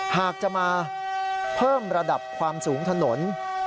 หากจะมาเพิ่มระดับความสูงถนน